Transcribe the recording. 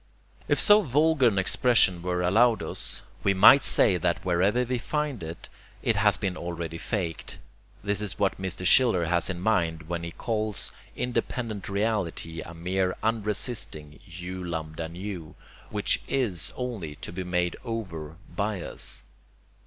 If so vulgar an expression were allowed us, we might say that wherever we find it, it has been already FAKED. This is what Mr. Schiller has in mind when he calls independent reality a mere unresisting [u lambda nu], which IS only to be made over by us.